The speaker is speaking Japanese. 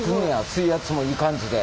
水圧もいい感じで。